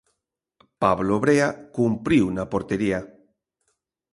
Pablo Brea cumpriu na portería.